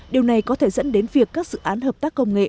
điều này có thể dẫn đến việc các dự án hợp tác công nghệ